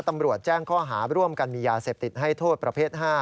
ตำรวจแจ้งข้อหาร่วมกันมียาเสพติดให้โทษประเภท๕